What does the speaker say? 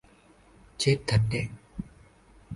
Chết thật đấy